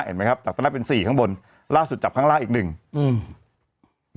เห็นไหมครับจับตอนแรกเป็นสี่ข้างบนล่าสุดจับข้างล่างอีกหนึ่งอืม